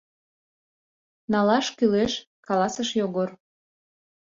Налаш кӱлеш, — каласыш Йогор.